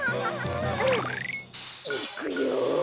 いくよ！